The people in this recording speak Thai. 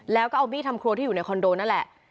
แล้วก็เอาบี้ทำครัวที่อยู่ในคอนโดนั่นแหละ